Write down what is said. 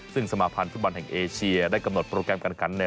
ซึ่งสมาภัณฑ์ฝุ่นบรรยีแชมป์เอเชียได้กำหนดโปรแกรมการกัน